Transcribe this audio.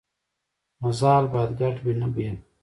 مزال باید ګډ وي نه بېل.